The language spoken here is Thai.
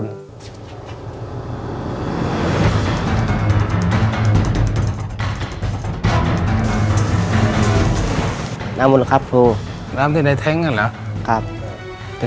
ในแคมเปญพิเศษเกมต่อชีวิตโรงเรียนของหนู